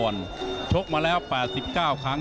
ชกมาแล้ว๘๙ครั้ง